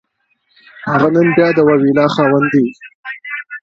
هغه نن بيا د واويلا خاوند دی!